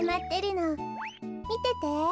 みてて。